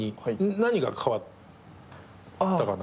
何が変わったかな？